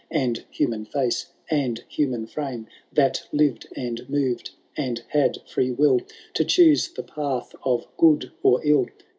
And human &ce, and human frame, That lived, and moved, and had free will To choose the path of good or ill.